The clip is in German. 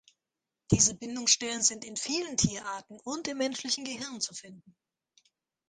Diese Bindungsstellen sind in vielen Tierarten und im menschlichen Gehirn zu finden.